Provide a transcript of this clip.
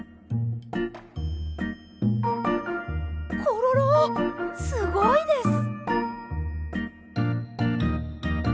コロロすごいです。